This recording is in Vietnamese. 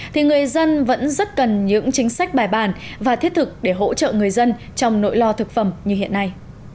thì người dân vẫn rất cần những chính sách bài bàn và thiết thực để hỗ trợ người dân trong nỗi lo thực phẩm như hiện nay